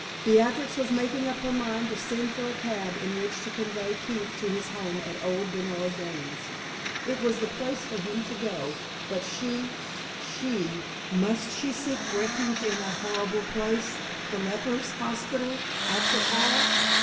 Beatrix was making up her mind to send for a cab in which to convey Keith to his home at old Bernard Dane's. It was the place for him to go, but she she must she seek refuge in that horrible place, the lepers' hospital, after all?